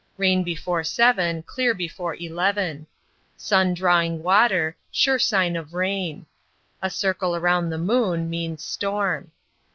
Rain before seven, clear before eleven. Sun drawing water, sure sign of rain. A circle round the moon means "storm."